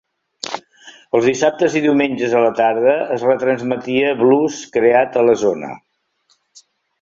Els dissabtes i diumenges a la tarda es retransmetia blues creat a la zona.